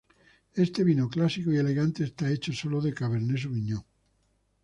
Este vino clásico y elegante, era hecho sólo de "Cabernet Sauvignon".